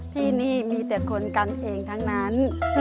ที่นี่มีแต่คนกันเองทั้งนั้น